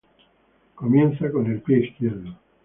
Comienza con el pie izquierdo.